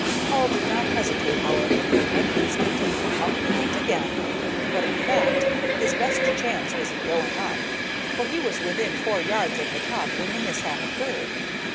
Hall did not hesitate, however, for one instant. Up he went again. But, in fact, his best chance was in going up, for he was within four yards of the top when the mishap occurred.